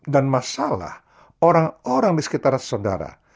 dan masalah orang orang di sekitar saudara